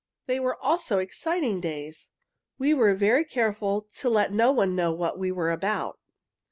They were also exciting days. We were very careful to let no one know what we were about.